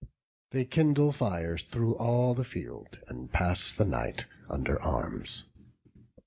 They kindle fires through all the field, and pass the night under arms.